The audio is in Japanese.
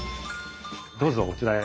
どうぞこちらへ。